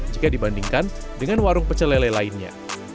jika dibandingkan dengan warung pecelele lainnya